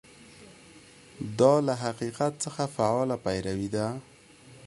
دا له حقیقت څخه فعاله پیروي ده.